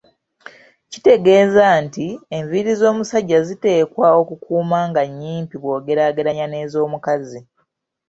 Kitegeeza nti, enviiri z'omusajja ziteekwa okukuumwa nga nnyimpi bw'ogerageranya n'ezomukazi.